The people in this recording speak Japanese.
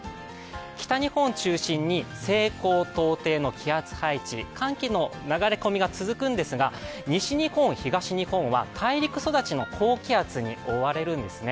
北日本を中心に西高東低の気圧配置、寒気の流れ込みが続くんですが、西日本、東日本は大陸育ちの高気圧に覆われるんですね